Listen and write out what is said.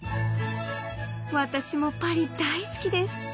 もう私もパリ大好きです